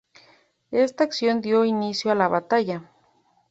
Esta acción dio inicio a la batalla.